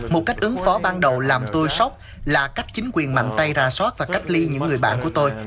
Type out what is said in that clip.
một cách ứng phó ban đầu làm tôi sốc là cách chính quyền mạnh tay ra soát và cách ly những người bạn của tôi